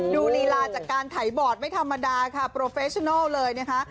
ลีลาจากการถ่ายบอร์ดไม่ธรรมดาค่ะโปรเฟชนัลเลยนะคะ